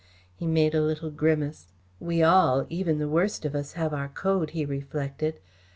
He made a little grimace. "We all, even the worst of us, have our code," he reflected.